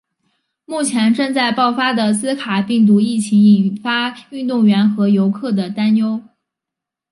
目前正在爆发的兹卡病毒疫情引发运动员和游客的担忧。